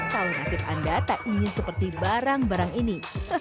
kalau nasib anda tak ingin seperti barang barang ini